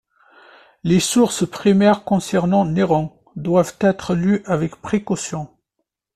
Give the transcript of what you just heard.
Les sources primaires concernant Néron doivent être lues avec précaution.